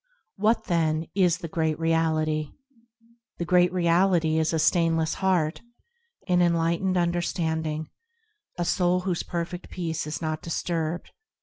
What, then, is the Great Reality ? The Great Reality is a stainless heart, An enlightened understanding, A soul whose perfect peace is not disturbed.